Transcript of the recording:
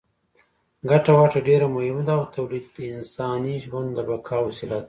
ګټه وټه ډېره مهمه ده او تولید د انساني ژوند د بقا وسیله ده.